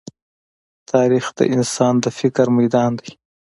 تاریخ د انسان د فکر ميدان دی.